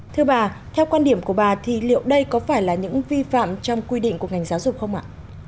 thưa bà theo quan điểm của bà thì liệu đây có phải là những vi phạm trong quy định của ngành giáo dục không ạ